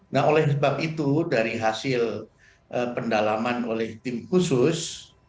nah oleh sebab itu dari hasil pendalaman oleh tim khusus